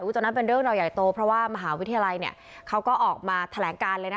ตอนนั้นเป็นเรื่องราวใหญ่โตเพราะว่ามหาวิทยาลัยเนี่ยเขาก็ออกมาแถลงการเลยนะ